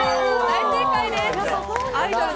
大正解です。